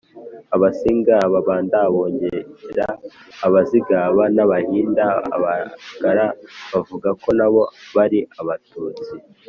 abasinga, ababanda, abongera, abazigaba, n’abahinda. abagara bavuga ko nabo bari abatutsi.